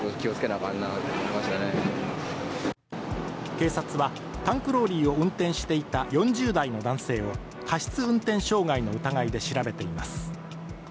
警察は、タンクローリーを運転していた４０代の男性を過失運転傷害の疑いで調べています。